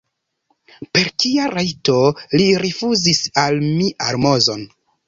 Per kia rajto li rifuzis al mi almozon?